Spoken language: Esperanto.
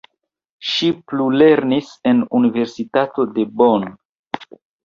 Ŝi plulernis en universitato de Bonn.